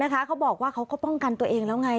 เขาบอกว่าเขาก็ป้องกันตัวเองแล้วไง